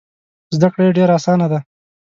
زده کړه یې ډېره اسانه ده.